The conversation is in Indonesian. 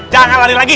jangan lari lagi